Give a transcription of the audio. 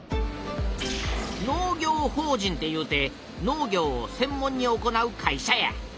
農業法人っていうて農業をせん門に行う会社や。